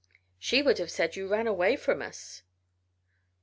She would have said you ran away from us."